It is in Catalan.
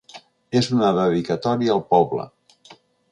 “És una dedicatòria al poble”.